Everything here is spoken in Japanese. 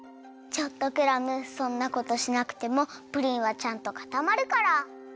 ちょっとクラムそんなことしなくてもプリンはちゃんとかたまるから。